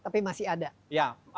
tapi masih ada ya